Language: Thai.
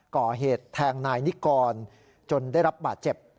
ก่อเหตุแทงนายนิกรจนได้รับบาดเจ็บ